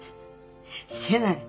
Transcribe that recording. してない。